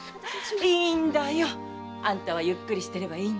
いいんだよあんたはゆっくりしてればいい。